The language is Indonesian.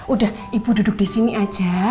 udah ibu duduk di sini aja